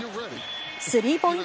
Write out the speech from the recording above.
スリーポイント